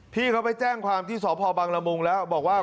พี่เขาไปแจ้งความที่สพบังละมุงแล้วบอกว่า